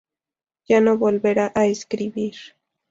Ya no volverá a escribir.